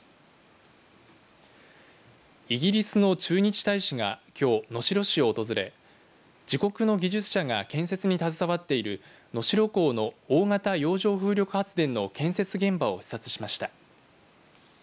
イギリスの駐日大使が、きょう能代市を訪れ自国の技術者が建設に携わっている能代港の大型洋上風力発電の建設現場を視察しました。